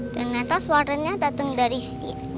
ternyata suaranya datang dari sini